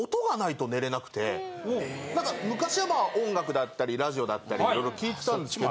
・昔はまあ音楽だったりラジオだったりいろいろ聞いてたんですけど。